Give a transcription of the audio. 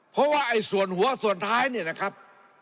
เพราะว่าไอ้ส่วนหัวส่วนท้ายเนี่ยนะครับ